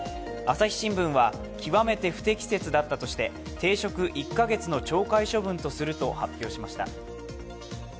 朝日新聞は極めて不適切だったとして停職１カ月の懲戒処分とすると発表しました。